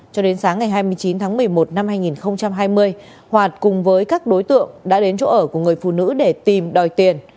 cho đến sáng ngày hai mươi chín tháng một mươi một năm hai nghìn hai mươi hoạt cùng với các đối tượng đã đến chỗ ở của người phụ nữ để tìm đòi tiền